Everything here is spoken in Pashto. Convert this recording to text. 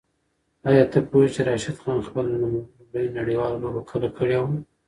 آیا ته پوهېږې چې راشد خان خپله لومړۍ نړیواله لوبه کله کړې وه؟